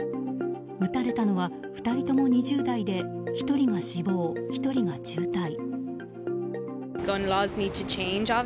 撃たれたのは２人とも２０代で１人は死亡、１人が重体。